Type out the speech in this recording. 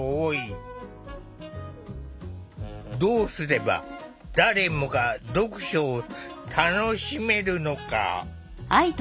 どうすれば誰もが読書を楽しめるのか。